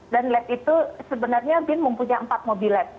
dan lab itu sebenarnya bin mempunyai empat mobil lab